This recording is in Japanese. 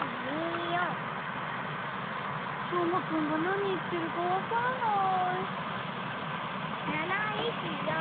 しょうまくんがなにいってるかわからない。